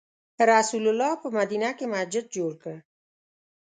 رسول الله په مدینه کې مسجد جوړ کړ.